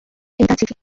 এই তাঁর চিঠি।